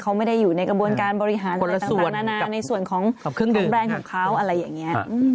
เขาไม่ได้อยู่ในกระบวนการบริหารในส่วนของการแบรนด์ของเขาอะไรอย่างนี้